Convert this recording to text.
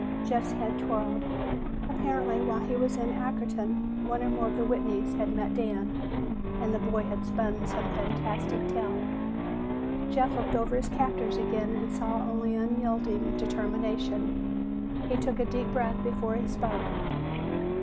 Jeff's head whirled. Apparently, while he was in Ackerton, one or more of the Whitneys had met Dan and the boy had spun some fantastic tale. Jeff looked over his captors again and saw only unyielding determination. He took a deep breath before he spoke.